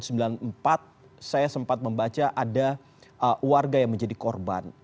saya sempat membaca ada warga yang menjadi korban